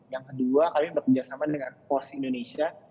yang kedua kami bekerjasama dengan pos indonesia